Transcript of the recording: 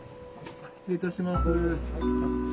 失礼いたします。